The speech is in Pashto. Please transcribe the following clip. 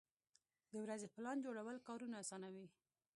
د ورځې پلان جوړول کارونه اسانوي.